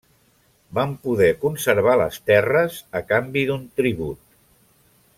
Van poder conservar les terres a canvi d'un tribut.